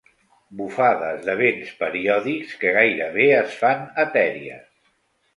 Bufades de vents periòdics que gairebé es fan etèries.